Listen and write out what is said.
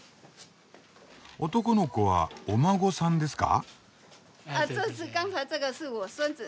男の子はお孫さんですか？